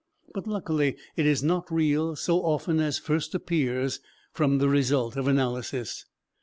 But luckily it is not real so often as first appears from the results of analysis.